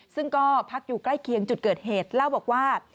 ซึ่งก็พักอยู่ใกล้เคียงจุดเกิดเหตุเล่าบอกว่า